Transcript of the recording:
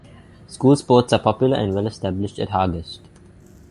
School sports are popular and well established at Hargest.